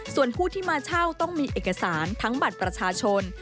ส่วนผู้ที่มาเช่าต้องมีเอกสารทั้งบัตรประชาชน